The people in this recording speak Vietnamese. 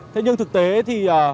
thế nhưng thực tế thì